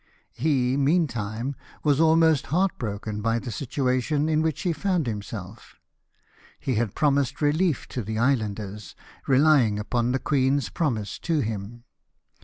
He, meantime, was almost heartbroken by the situa tion in which he found himself He had promised M 2 180 LIFE OF NELSON. relief to the islanders, relying upon the queen's promise to him.